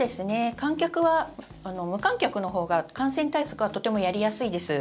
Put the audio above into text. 観客は無観客のほうが感染対策はとてもやりやすいです。